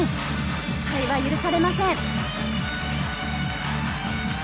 失敗は許されません。